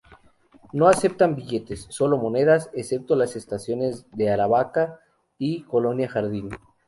No aceptan billetes, sólo monedas, excepto en las estaciones de Aravaca y Colonia Jardín.